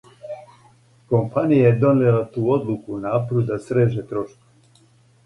Компанија је донијела ту одлуку у напору да среже трошкове.